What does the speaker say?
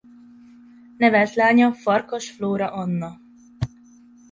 Nevelt lánya Farkas Flóra Anna.